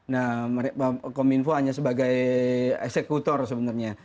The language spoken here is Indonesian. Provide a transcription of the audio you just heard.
nah kominfo hanya sebagai eksekutor sebenarnya